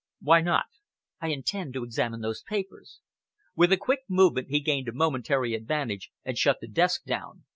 "Why not?" "I intend to examine those papers." With a quick movement he gained a momentary advantage and shut the desk down.